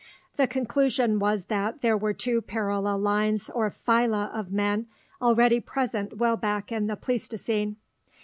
The conclusion was that there were two parallel lines or "phyla" of men already present well back in the Pleistocene.